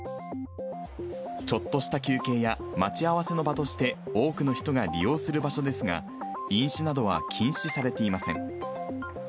ちょっとした休憩や待ち合わせの場として、多くの人が利用する場所ですが、飲酒などは禁止されていません。